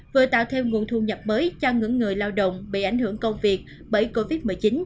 vừa tạo thêm nguồn thu nhập mới cho những người lao động bị ảnh hưởng công việc bởi covid một mươi chín